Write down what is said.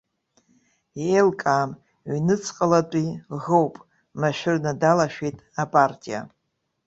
Еилкаам, ҩныҵҟалатәи ӷоуп, машәырны далашәеит апартиа.